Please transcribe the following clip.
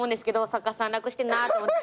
作家さん楽してんなと思って。